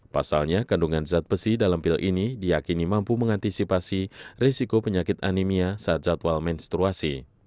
pasalnya kandungan zat besi dalam pil ini diakini mampu mengantisipasi risiko penyakit anemia saat jadwal menstruasi